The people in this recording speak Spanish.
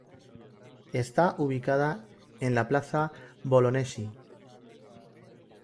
Está ubicada en la plaza Bolognesi.